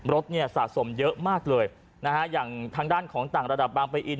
รถเนี่ยสะสมเยอะมากเลยนะฮะอย่างทางด้านของต่างระดับบางปะอิน